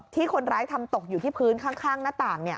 ที่คนร้ายทำตกอยู่ที่พื้นข้างหน้าต่าง